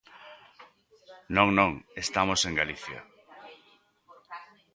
Non, non, estamos en Galicia.